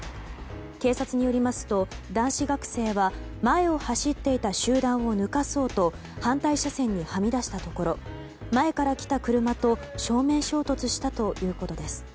警察によりますと男子学生は前を走っていた集団を抜かそうと反対車線にはみ出したところ前から来た車と正面衝突したということです。